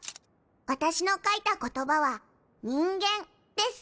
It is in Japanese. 私の書いた言葉は「にんげん」です。